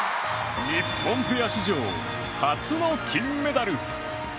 日本ペア史上初の金メダル。